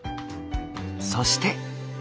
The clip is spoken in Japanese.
そして。